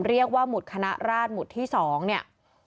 เรียกว่าหมุนคณะราชหมุนที่๒เนี่ย